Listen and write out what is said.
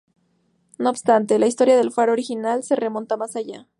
No obstante, la historia del faro original se remonta más allá.